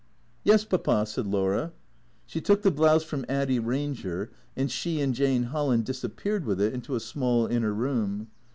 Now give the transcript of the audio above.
" Yes, Papa," said Laura. She took the blouse from Addy Ranger, and she and Jane Holland disappeared with it into a small inner room.